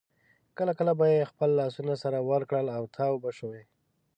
کله کله به یې خپل لاسونه سره ورکړل او تاو به شوې.